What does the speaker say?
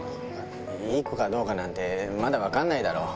いい子かどうかかなんて、まだ分かんないだろ。